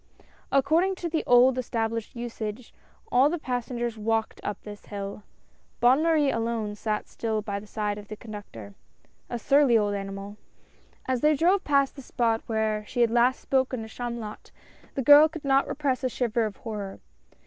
According to the old established usage, all the passengers walked up this hill. Bonne Marie alone sat still by the side of the conductor — a surly old animal. As they drove past the spot where she had last spoken to Chamulot, the girl could not repress a shiver of horror.